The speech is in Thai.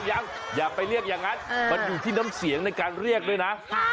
ยังอย่าไปเรียกอย่างนั้นมันอยู่ที่น้ำเสียงในการเรียกด้วยนะ